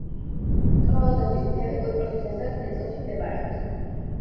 ტროოდოსის მთები კვიპროსის დასავლეთ ნაწილში მდებარეობს.